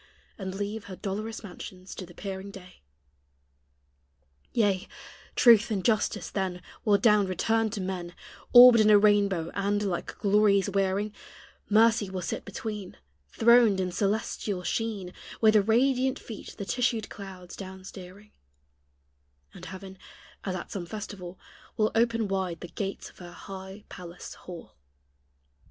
And leave her dolorous mansions to the peering day. Yea, truth and justice then Will down return to men, Orbed in a rainbow; and, like glories wearing, Mercy will sit between, Throned in celestial sheen, With radiant feet the tissued clouds down steering; And heaven, as at some festival, Will open wide the gates of her high palace hall.